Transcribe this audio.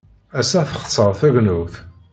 Ass-a, texṣer tegnewt.